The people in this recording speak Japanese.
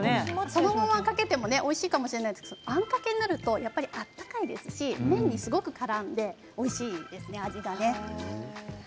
そのまま食べてもおいしいかもしれないですがあんかけになると温かいですし麺にすごくからんでおいしいですね、味がね。